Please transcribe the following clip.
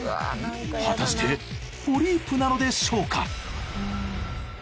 果たしてポリープなのでしょうか？